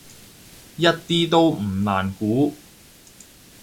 一啲都唔難估